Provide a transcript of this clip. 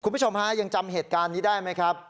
คุณผู้ชมฮะยังจำเหตุการณ์นี้ได้ไหมครับ